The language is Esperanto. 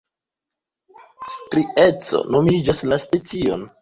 Strieco nomigas la specion.